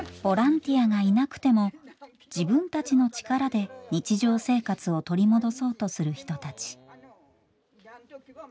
ボランティアがいなくても自分たちの力で日常生活を取り戻そうとする人たち。